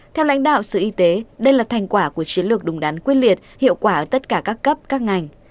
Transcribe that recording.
theo lãnh đạo sở y tế đây là thành quả của chiến lược đúng đắn quyết liệt hiệu quả ở tất cả các cấp các ngành